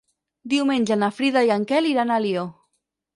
Diumenge na Frida i en Quel iran a Alió.